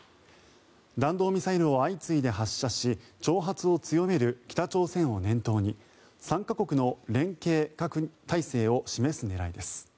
弾道ミサイルを相次いで発射し挑発を強める北朝鮮を念頭に３か国の連携態勢を示す狙いです。